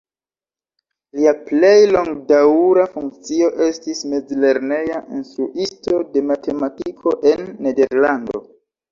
Lia plej longdaŭra funkcio estis mezlerneja instruisto de matematiko en Nederlando.